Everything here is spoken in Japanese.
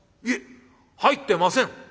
いえ入ってません。